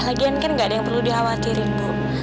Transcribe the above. lagian kan gak ada yang perlu dikhawatirin bu